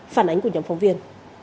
phản ánh của nhóm phóng viên